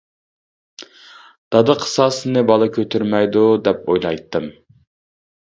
دادا قىساسىنى بالا كۆتۈرمەيدۇ دەپ ئويلايتتىم.